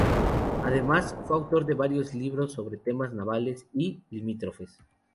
Además, fue autor de varios libros sobre temas navales y limítrofes.